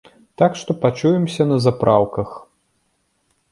Так што пачуемся на запраўках!